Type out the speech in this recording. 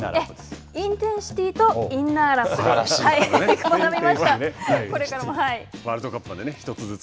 インテンシティとインナーラップ。